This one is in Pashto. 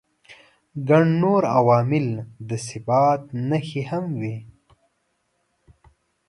ګڼ نور عوامل او د ثبات نښې هم وي.